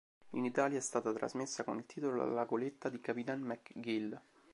In Italia è stata trasmessa con il titolo "La goletta di capitan McGill".